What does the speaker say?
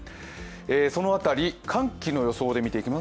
その辺り寒気の予想で見ていきます。